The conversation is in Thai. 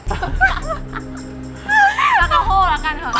ปลากะโฮละกันเถอะ